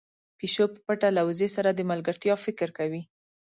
پيشو په پټه له وزې سره د ملګرتيا فکر کوي.